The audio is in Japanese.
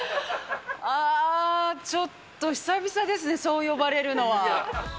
あー、ちょっと久々ですね、そう呼ばれるのは。